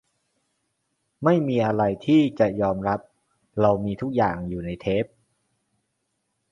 ไม่มีอะไรที่จะยอมรับ เรามีทุกอย่างอยู่ในเทป